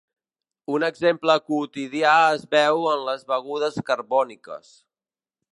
Un exemple quotidià es veu en les begudes carbòniques.